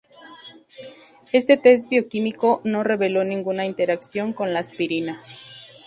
Este test bioquímico no revelo ninguna interacción con la aspirina.